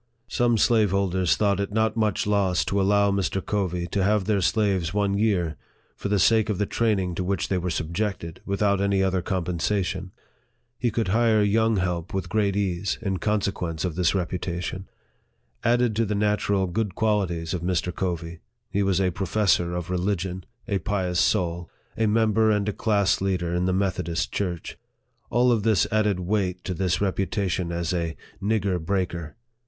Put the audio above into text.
Some slaveholders thought it not much loss to allow Mr. Covey to have their slaves one year, for the sake of the training to which they were subjected, without any other compensation. He could hire young help with great ease, in consequence of this reputation. Added to the natural good qual ities of Mr. Covey, he was a professor of religion a pious soul a member and a class leader in the Meth odist church. All of this added weight to his reputa tion as a " nigger breaker."